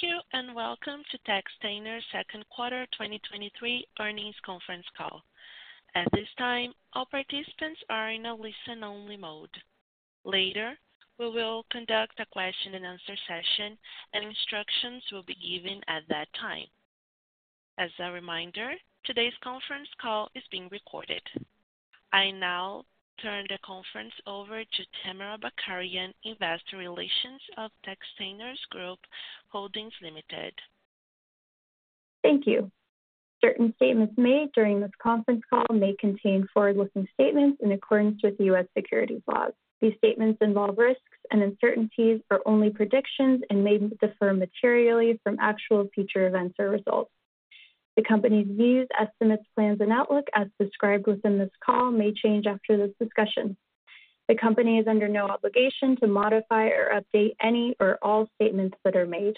Thank you, and welcome to Textainer's second quarter 2023 earnings conference call. At this time, all participants are in a listen-only mode. Later, we will conduct a question-and-answer session, and instructions will be given at that time. As a reminder, today's conference call is being recorded. I now turn the conference over to Tamara Bakarian, Investor Relations of Textainer Group Holdings Limited. Thank you. Certain statements made during this conference call may contain forward-looking statements in accordance with U.S. securities laws. These statements involve risks and uncertainties are only predictions and may differ materially from actual future events or results. The company's views, estimates, plans, and outlook, as described within this call, may change after this discussion. The company is under no obligation to modify or update any or all statements that are made.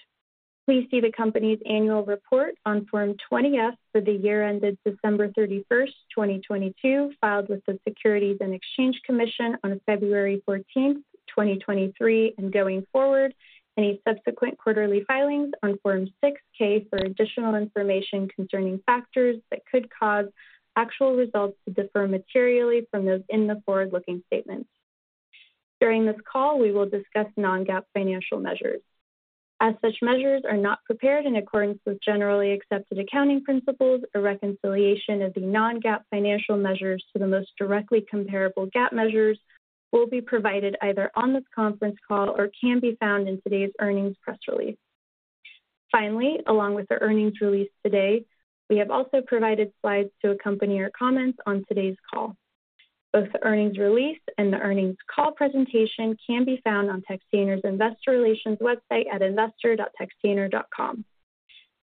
Please see the company's annual report on Form 20-F for the year ended December 31, 2022, filed with the Securities and Exchange Commission on February 14, 2023, and going forward, any subsequent quarterly filings on Form 6-K for additional information concerning factors that could cause actual results to differ materially from those in the forward-looking statements. During this call, we will discuss non-GAAP financial measures. As such measures are not prepared in accordance with generally accepted accounting principles, a reconciliation of the non-GAAP financial measures to the most directly comparable GAAP measures will be provided either on this conference call or can be found in today's earnings press release. Finally, along with the earnings release today, we have also provided slides to accompany our comments on today's call. Both the earnings release and the earnings call presentation can be found on Textainer's Investor Relations website at investor.textainer.com.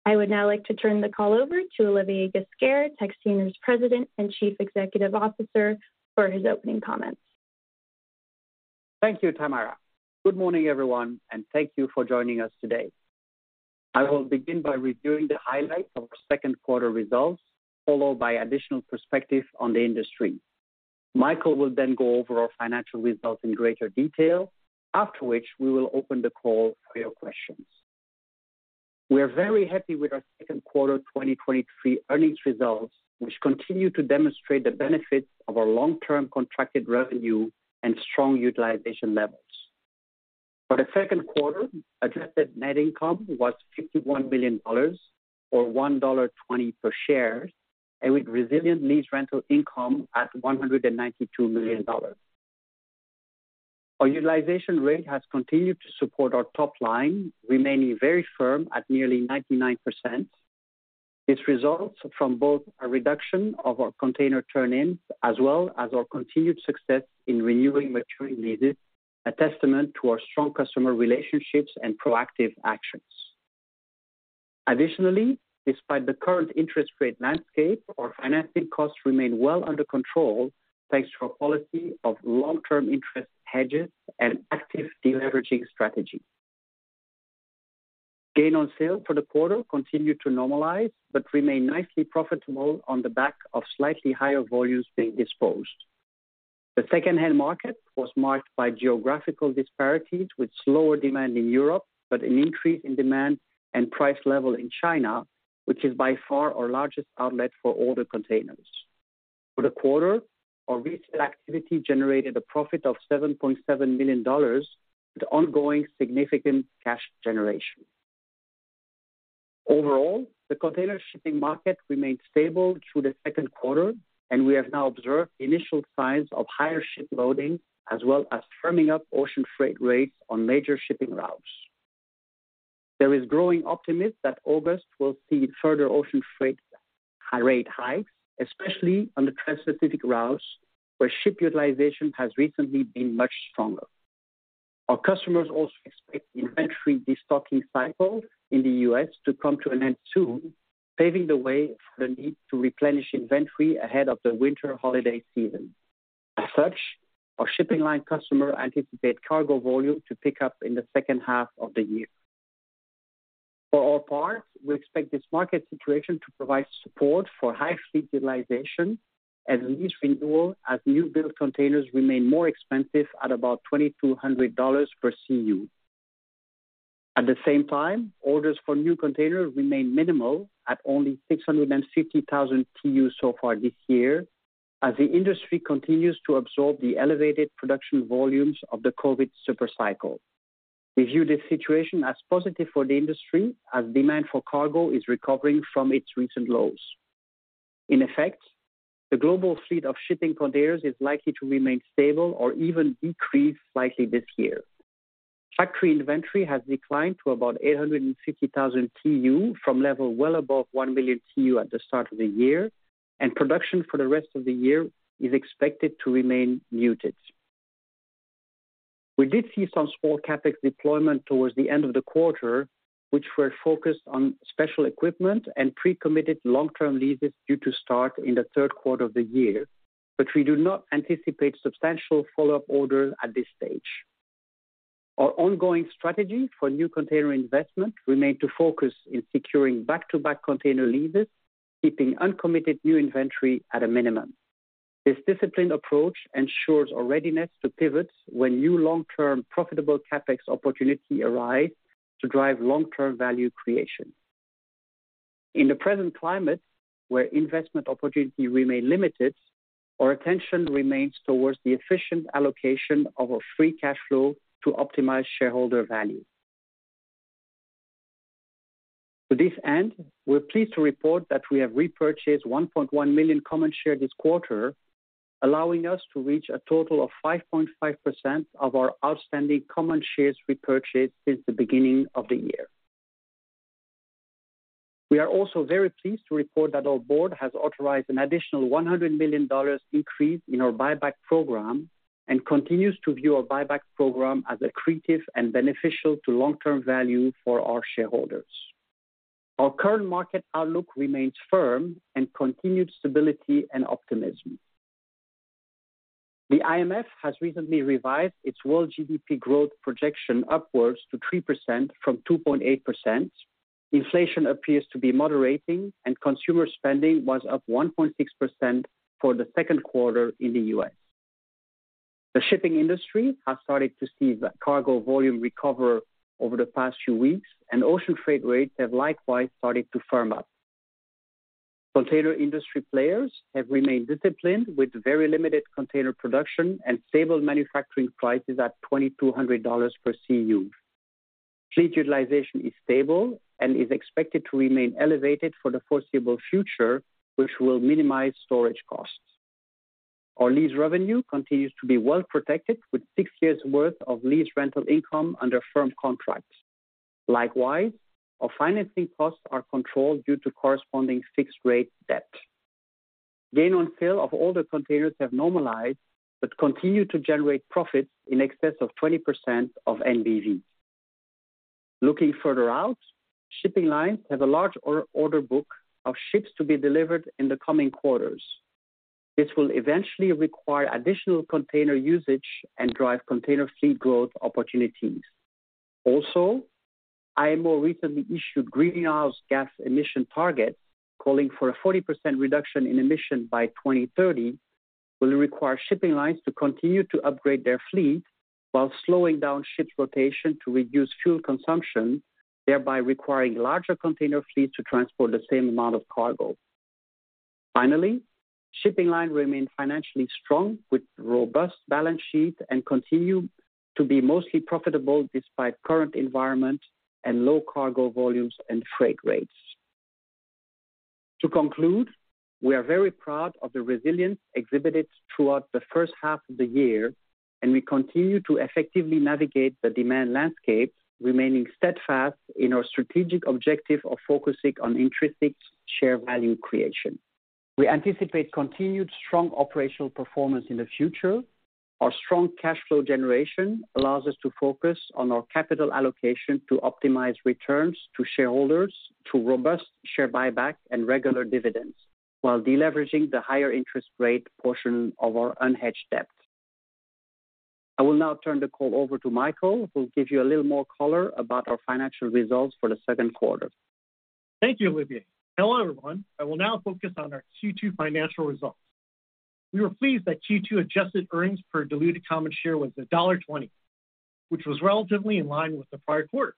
I would now like to turn the call over to Olivier Ghesquiere, Textainer's President and Chief Executive Officer, for his opening comments. Thank you, Tamara. Good morning, everyone, and thank you for joining us today. I will begin by reviewing the highlights of our second quarter results, followed by additional perspective on the industry. Michael will then go over our financial results in greater detail, after which we will open the call for your questions. We are very happy with our second quarter 2023 earnings results, which continue to demonstrate the benefits of our long-term contracted revenue and strong utilization levels. For the second quarter, adjusted net income was $51 million, or $1.20 per share, and with resilient lease rental income at $192 million. Our utilization rate has continued to support our top line, remaining very firm at nearly 99%. This results from both a reduction of our container turn-ins, as well as our continued success in renewing maturing leases, a testament to our strong customer relationships and proactive actions. Additionally, despite the current interest rate landscape, our financing costs remain well under control, thanks to a policy of long-term interest hedges and active deleveraging strategy. Gain on sale for the quarter continued to normalize, but remained nicely profitable on the back of slightly higher volumes being disposed. The secondhand market was marked by geographical disparities, with slower demand in Europe, but an increase in demand and price level in China, which is by far our largest outlet for older containers. For the quarter, our resale activity generated a profit of $7.7 million, with ongoing significant cash generation. Overall, the container shipping market remained stable through the second quarter, and we have now observed initial signs of higher ship loading, as well as firming up ocean freight rates on major shipping routes. There is growing optimism that August will see further ocean freight high rate hikes, especially on the Transpacific routes, where ship utilization has recently been much stronger. Our customers also expect the inventory destocking cycle in the US to come to an end soon, paving the way for the need to replenish inventory ahead of the winter holiday season. As such, our shipping line customer anticipate cargo volume to pick up in the second half of the year. For our part, we expect this market situation to provide support for high fleet utilization and lease renewal, as new build containers remain more expensive at about $2,200 per CU. At the same time, orders for new containers remain minimal at only 650,000 TEU so far this year, as the industry continues to absorb the elevated production volumes of the COVID super cycle. We view this situation as positive for the industry, as demand for cargo is recovering from its recent lows. In effect, the global fleet of shipping containers is likely to remain stable or even decrease slightly this year. Factory inventory has declined to about 850,000 TEU from level well above 1 million TEU at the start of the year, and production for the rest of the year is expected to remain muted. We did see some small CapEx deployment towards the end of the quarter, which were focused on special equipment and pre-committed long-term leases due to start in the third quarter of the year, but we do not anticipate substantial follow-up orders at this stage. Our ongoing strategy for new container investments remain to focus in securing back-to-back container leases, keeping uncommitted new inventory at a minimum. This disciplined approach ensures a readiness to pivot when new long-term profitable CapEx opportunity arise to drive long-term value creation. In the present climate, where investment opportunity remain limited, our attention remains towards the efficient allocation of our free cash flow to optimize shareholder value. To this end, we're pleased to report that we have repurchased 1.1 million common shares this quarter, allowing us to reach a total of 5.5% of our outstanding common shares repurchased since the beginning of the year. We are also very pleased to report that our board has authorized an additional $100 million increase in our buyback program, and continues to view our buyback program as accretive and beneficial to long-term value for our shareholders. Our current market outlook remains firm and continued stability and optimism. The IMF has recently revised its world GDP growth projection upwards to 3% from 2.8%. Inflation appears to be moderating, and consumer spending was up 1.6% for the second quarter in the US. The shipping industry has started to see the cargo volume recover over the past few weeks. Ocean freight rates have likewise started to firm up. Container industry players have remained disciplined, with very limited container production and stable manufacturing prices at $2,200 per CU. Fleet utilization is stable and is expected to remain elevated for the foreseeable future, which will minimize storage costs. Our lease revenue continues to be well protected, with 6 years' worth of lease rental income under firm contracts. Likewise, our financing costs are controlled due to corresponding fixed rate debt. Gain on sale of all the containers have normalized, but continue to generate profits in excess of 20% of NBV. Looking further out, shipping lines have a large order book of ships to be delivered in the coming quarters. This will eventually require additional container usage and drive container fleet growth opportunities. Also, IMO recently issued greenhouse gas emission targets, calling for a 40% reduction in emission by 2030, will require shipping lines to continue to upgrade their fleet while slowing down ships rotation to reduce fuel consumption, thereby requiring larger container fleets to transport the same amount of cargo. Finally, shipping line remain financially strong with robust balance sheet and continue to be mostly profitable despite current environment and low cargo volumes and freight rates. To conclude, we are very proud of the resilience exhibited throughout the first half of the year, and we continue to effectively navigate the demand landscape, remaining steadfast in our strategic objective of focusing on intrinsic share value creation. We anticipate continued strong operational performance in the future. Our strong cash flow generation allows us to focus on our capital allocation to optimize returns to shareholders, through robust share buyback and regular dividends, while deleveraging the higher interest rate portion of our unhedged debt. I will now turn the call over to Michael, who will give you a little more color about our financial results for the second quarter. Thank you, Olivier. Hello, everyone. I will now focus on our Q2 financial results. We were pleased that Q2 adjusted earnings per diluted common share was $1.20, which was relatively in line with the prior quarter.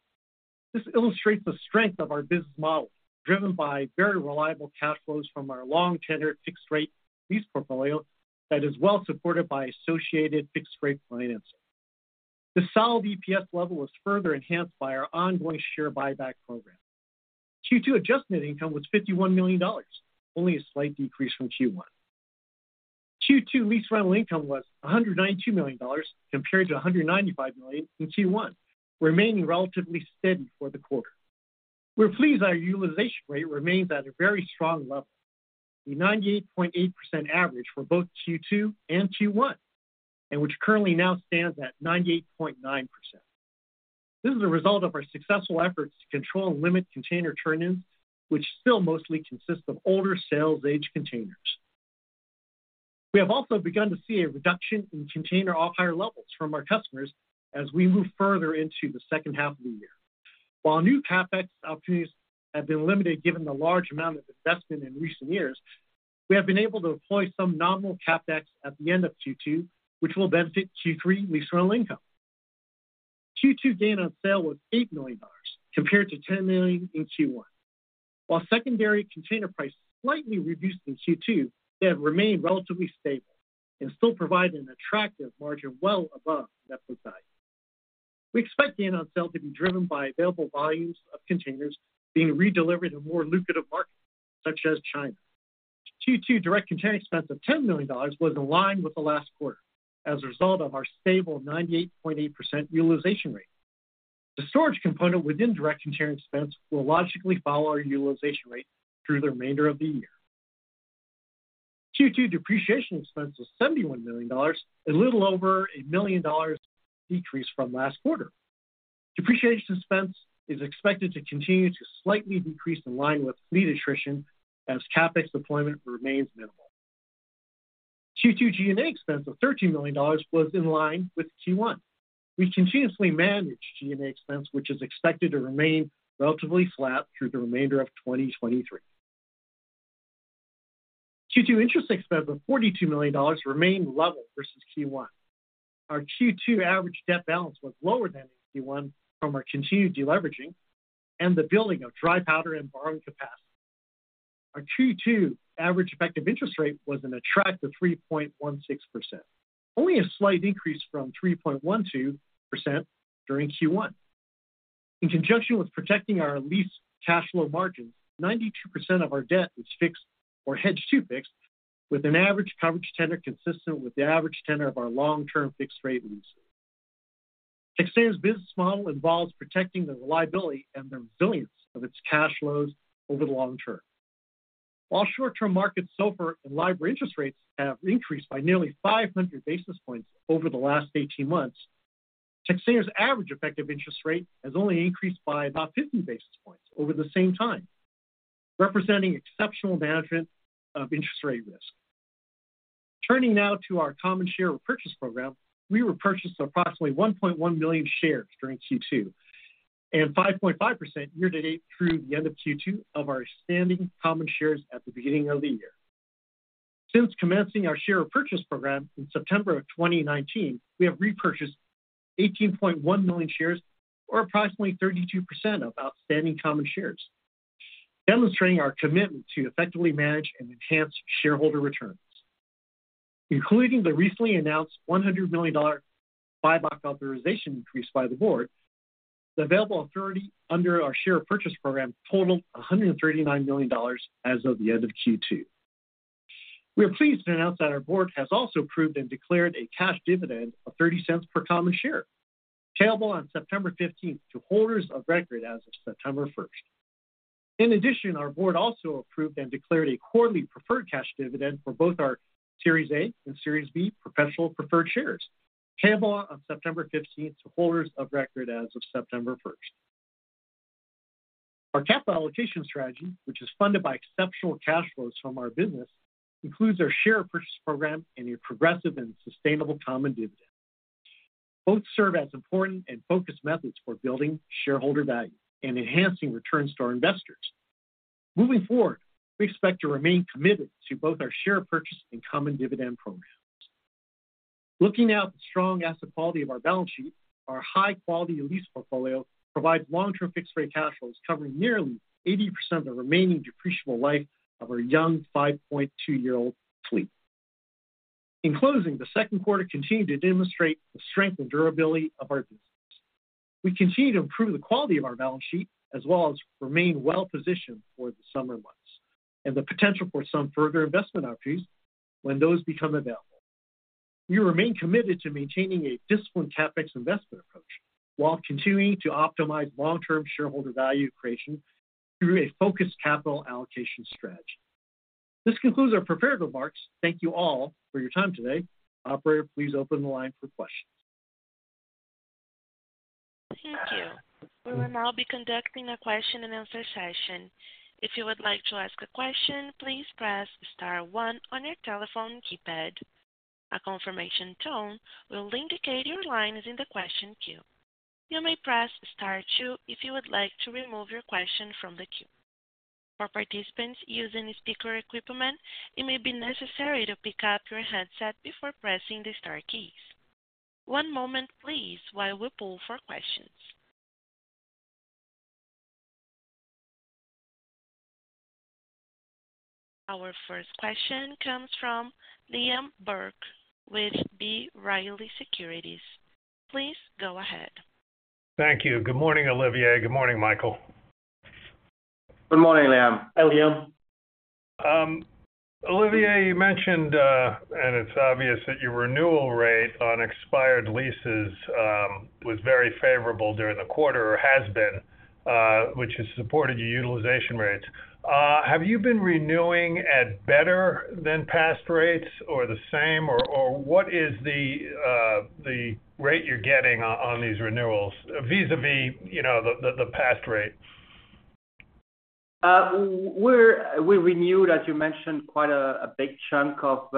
This illustrates the strength of our business model, driven by very reliable cash flows from our long-tenured, fixed-rate lease portfolio that is well supported by associated fixed-rate financing. The solid EPS level was further enhanced by our ongoing share buyback program. Q2 adjusted net income was $51 million, only a slight decrease from Q1. Q2 lease rental income was $192 million, compared to $195 million in Q1, remaining relatively steady for the quarter. We're pleased our utilization rate remains at a very strong level, a 98.8% average for both Q2 and Q1, and which currently now stands at 98.9%. This is a result of our successful efforts to control and limit container turn-ins, which still mostly consist of older sales-age containers. We have also begun to see a reduction in container off-hire levels from our customers as we move further into the second half of the year. While new CapEx opportunities have been limited, given the large amount of investment in recent years, we have been able to deploy some nominal CapEx at the end of Q2, which will benefit Q3 lease rental income. Q2 gain on sale was $8 million, compared to $10 million in Q1. While secondary container prices slightly reduced in Q2, they have remained relatively stable and still provide an attractive margin well above net book value. We expect gain on sale to be driven by available volumes of containers being redelivered in more lucrative markets, such as China. Q2 direct container expense of $10 million was in line with the last quarter as a result of our stable 98.8% utilization rate. The storage component within direct container expense will logically follow our utilization rate through the remainder of the year. Q2 depreciation expense was $71 million, a little over a $1 million decrease from last quarter. Depreciation expense is expected to continue to slightly decrease in line with fleet attrition as CapEx deployment remains minimal. Q2 G&A expense of $13 million was in line with Q1. we've continuously managed G&A expense, which is expected to remain relatively flat through the remainder of 2023. Q2 interest expense of $42 million remained level versus Q1. Our Q2 average debt balance was lower than in Q1 from our continued deleveraging and the building of dry powder and borrowing capacity. Our Q2 average effective interest rate was an attractive 3.16%, only a slight increase from 3.12% during Q1. In conjunction with protecting our lease cash flow margins, 92% of our debt is fixed or hedged to fixed, with an average coverage tenor consistent with the average tenor of our long-term fixed rate leases. Textainer's business model involves protecting the reliability and the resilience of its cash flows over the long term. While short-term market SOFR and LIBOR interest rates have increased by nearly 500 basis points over the last 18 months, Textainer's average effective interest rate has only increased by about 50 basis points over the same time, representing exceptional management of interest rate risk. Turning now to our common share repurchase program, we repurchased approximately 1.1 million shares during Q2, and 5.5% year to date through the end of Q2 of our outstanding common shares at the beginning of the year. Since commencing our share repurchase program in September of 2019, we have repurchased 18.1 million shares, or approximately 32% of outstanding common shares, demonstrating our commitment to effectively manage and enhance shareholder returns. Including the recently announced $100 million buyback authorization increase by the board, the available authority under our share repurchase program totaled $139 million as of the end of Q2. We are pleased to announce that our board has also approved and declared a cash dividend of $0.30 per common share, payable on September 15th to holders of record as of September 1st. Our board also approved and declared a quarterly preferred cash dividend for both our Series A and Series B professional preferred shares, payable on September 15th to holders of record as of September 1st. Our capital allocation strategy, which is funded by exceptional cash flows from our business, includes our share repurchase program and a progressive and sustainable common dividend. Both serve as important and focused methods for building shareholder value and enhancing returns to our investors. Moving forward, we expect to remain committed to both our share purchase and common dividend programs. Looking at the strong asset quality of our balance sheet, our high-quality lease portfolio provides long-term fixed-rate cash flows, covering nearly 80% of the remaining depreciable life of our young 5.2-year-old fleet. In closing, the second quarter continued to demonstrate the strength and durability of our business. We continue to improve the quality of our balance sheet, as well as remain well-positioned for the summer months, and the potential for some further investment opportunities when those become available. We remain committed to maintaining a disciplined CapEx investment approach while continuing to optimize long-term shareholder value creation through a focused capital allocation strategy. This concludes our prepared remarks. Thank you all for your time today. Operator, please open the line for questions. Thank you. We will now be conducting a question-and-answer session. If you would like to ask a question, please press star 1 on your telephone keypad. A confirmation tone will indicate your line is in the question queue. You may press star 2 if you would like to remove your question from the queue. For participants using speaker equipment, it may be necessary to pick up your headset before pressing the star keys. One moment, please, while we pull for questions. Our first question comes from Liam Burke with B. Riley Securities. Please go ahead. Thank you. Good morning, Olivier. Good morning, Michael. Good morning, Liam. Hi, Liam. Olivier, you mentioned, and it's obvious, that your renewal rate on expired leases was very favorable during the quarter, or has been, which has supported your utilization rates. Have you been renewing at better than past rates or the same, or, or what is the rate you're getting on, on these renewals vis-a-vis, you know, the, the, the past rates? We renewed, as you mentioned, quite a big chunk of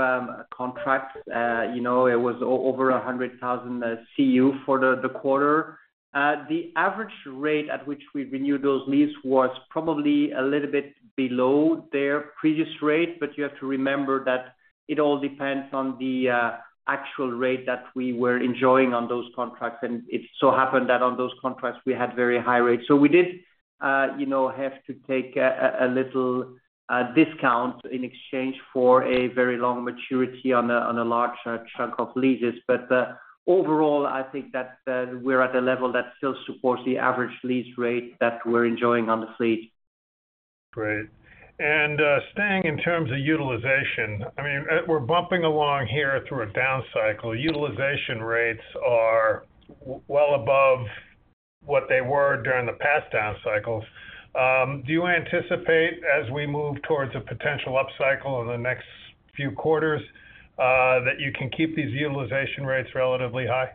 contracts. You know, it was over 100,000 CU for the quarter. The average rate at which we renewed those leases was probably a little bit below their previous rate, you have to remember that it all depends on the actual rate that we were enjoying on those contracts, and it so happened that on those contracts, we had very high rates. We did, you know, have to take a little discount in exchange for a very long maturity on a large chunk of leases. Overall, I think that we're at a level that still supports the average lease rate that we're enjoying on the fleet. Great. Staying in terms of utilization, I mean, we're bumping along here through a down cycle. Utilization rates are well above what they were during the past down cycles. Do you anticipate, as we move towards a potential upcycle in the next few quarters, that you can keep these utilization rates relatively high?...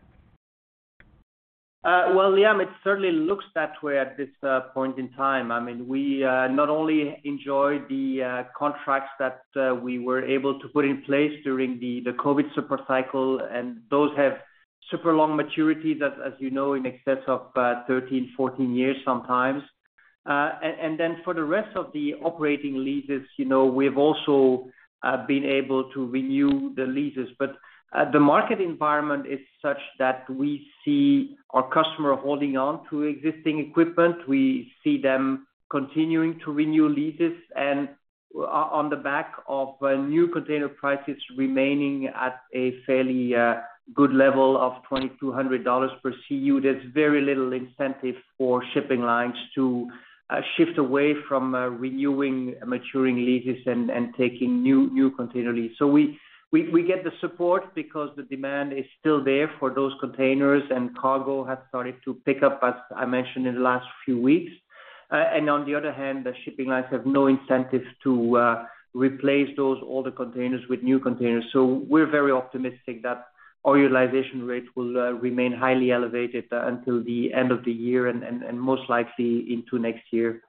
Well, Liam, it certainly looks that way at this point in time. I mean, we not only enjoy the contracts that we were able to put in place during the COVID super cycle, and those have super long maturities, as you know, in excess of 13, 14 years sometimes. And then for the rest of the operating leases, you know, we've also been able to renew the leases. But the market environment is such that we see our customer holding on to existing equipment. We see them continuing to renew leases, and on the back of new container prices remaining at a fairly good level of $2,200 per CU, there's very little incentive for shipping lines to shift away from renewing maturing leases and taking new, new container leases. We get the support because the demand is still there for those containers, and cargo has started to pick up, as I mentioned in the last few weeks. On the other hand, the shipping lines have no incentive to replace those older containers with new containers. We're very optimistic that our utilization rate will remain highly elevated until the end of the year and most likely into next year.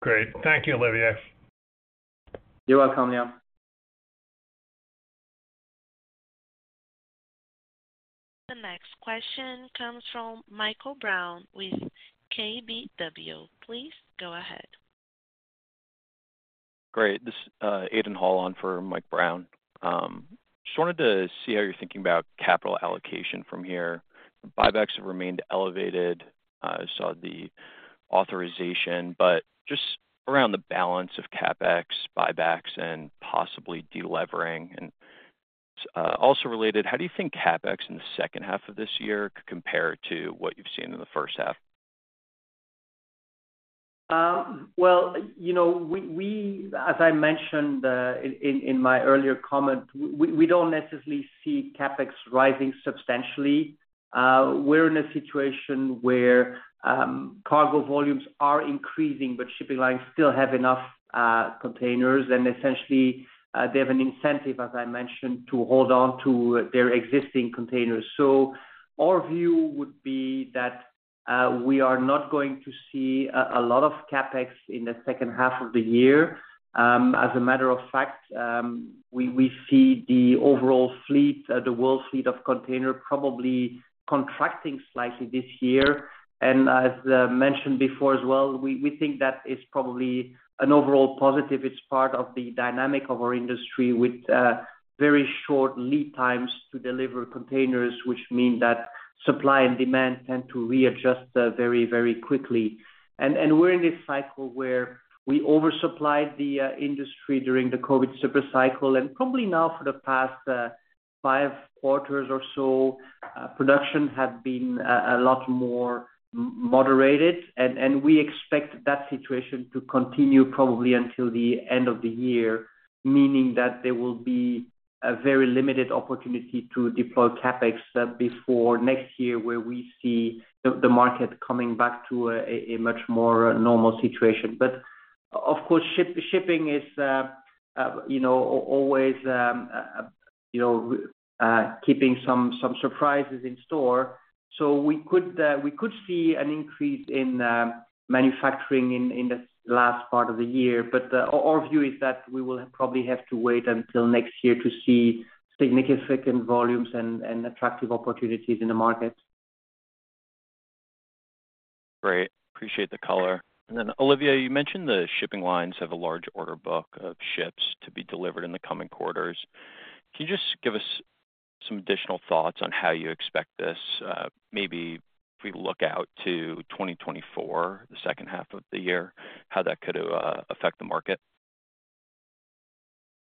Great. Thank you, Olivier. You're welcome, Liam. The next question comes from Michael Brown with KBW. Please go ahead. Great, this is Aidan Hall on for Mike Brown. Just wanted to see how you're thinking about capital allocation from here. Buybacks have remained elevated. I saw the authorization, but just around the balance of CapEx, buybacks, and possibly delevering. Also related, how do you think CapEx in the second half of this year could compare to what you've seen in the first half? Well, you know, we, we as I mentioned, in, in, in my earlier comment, we, we don't necessarily see CapEx rising substantially. We're in a situation where cargo volumes are increasing, but shipping lines still have enough containers, and essentially, they have an incentive, as I mentioned, to hold on to their existing containers. So our view would be that we are not going to see a, a lot of CapEx in the second half of the year. As a matter of fact, we, we see the overall fleet, the world fleet of container, probably contracting slightly this year. And as mentioned before as well, we, we think that is probably an overall positive. It's part of the dynamic of our industry, with very short lead times to deliver containers, which mean that supply and demand tend to readjust very, very quickly. We're in this cycle where we oversupplied the industry during the COVID super cycle, and probably now for the past 5 quarters or so, production has been a lot more moderated, and we expect that situation to continue probably until the end of the year, meaning that there will be a very limited opportunity to deploy CapEx before next year, where we see the market coming back to a much more normal situation. Of course, shipping is, you know, always, you know, keeping some, some surprises in store. We could, we could see an increase in manufacturing in, in the last part of the year, but our view is that we will probably have to wait until next year to see significant volumes and, and attractive opportunities in the market. Great. Appreciate the color. Then, Olivier, you mentioned the shipping lines have a large order book of ships to be delivered in the coming quarters. Can you just give us some additional thoughts on how you expect this, maybe if we look out to 2024, the second half of the year, how that could affect the market?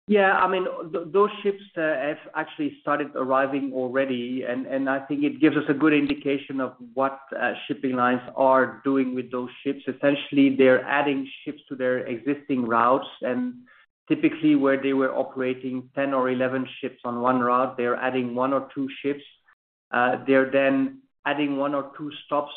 Yeah, I mean, those ships have actually started arriving already, and I think it gives us a good indication of what shipping lines are doing with those ships. Essentially, they're adding ships to their existing routes, and typically where they were operating 10 or 11 ships on one route, they are adding one or two ships. They're then adding one or two stops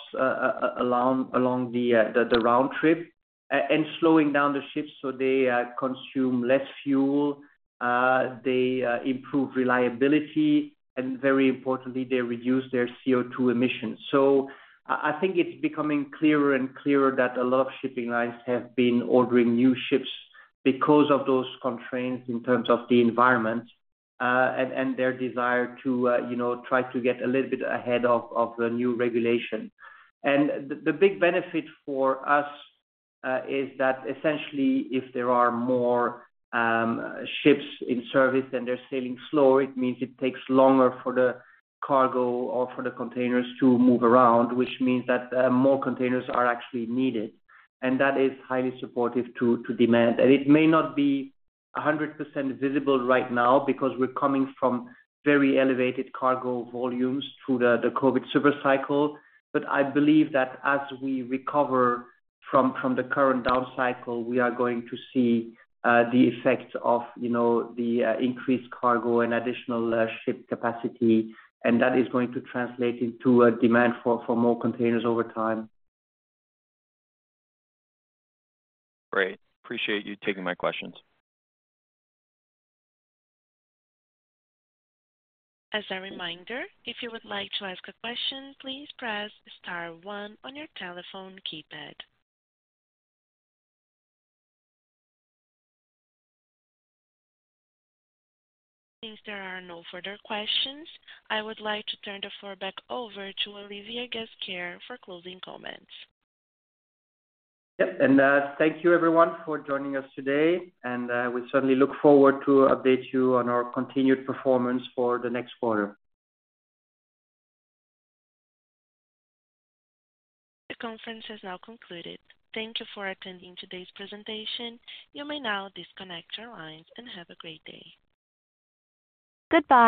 along the round trip, and slowing down the ships so they consume less fuel, they improve reliability, and very importantly, they reduce their CO2 emissions. I, I think it's becoming clearer and clearer that a lot of shipping lines have been ordering new ships because of those constraints in terms of the environment, and their desire to, you know, try to get a little bit ahead of the new regulation. The, the big benefit for us is that essentially, if there are more ships in service then they're sailing slow, it means it takes longer for the cargo or for the containers to move around, which means that more containers are actually needed, and that is highly supportive to demand. It may not be 100% visible right now because we're coming from very elevated cargo volumes through the, the COVID super cycle, but I believe that as we recover from, from the current down cycle, we are going to see, the effects of, you know, the, increased cargo and additional, ship capacity, and that is going to translate into a demand for, for more containers over time. Great. Appreciate you taking my questions. As a reminder, if you would like to ask a question, please press star one on your telephone keypad. Since there are no further questions, I would like to turn the floor back over to Olivier Ghesquiere for closing comments. Yep, and, thank you everyone for joining us today, and, we certainly look forward to update you on our continued performance for the next quarter. The conference has now concluded. Thank you for attending today's presentation. You may now disconnect your lines and have a great day. Goodbye!